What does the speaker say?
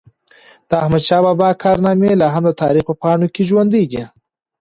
د احمدشاه بابا کارنامي لا هم د تاریخ په پاڼو کي ژوندۍ دي.